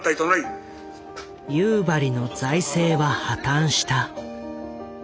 夕張の財政は破綻した。